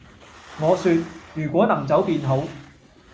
我說......如果能走便好，